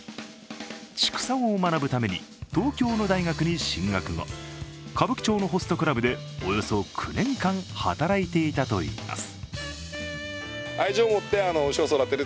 畜産を学ぶために東京の大学に進学後、歌舞伎町のホストクラブでおよそ９年間働いていたといいます。